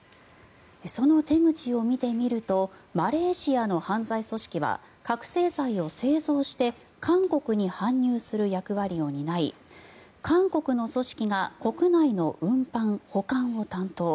その手口を見てみるとマレーシアの犯罪組織は覚醒剤を製造して韓国に搬入する役割を担い韓国の組織が国内の運搬・保管を担当。